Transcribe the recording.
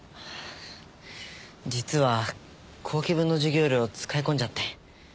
実は後期分の授業料使い込んじゃって。